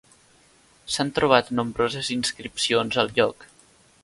S'han trobat nombroses inscripcions al lloc.